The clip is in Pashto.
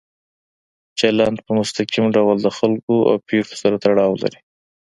چلند په مستقیم ډول د خلکو او پېښو سره تړاو لري.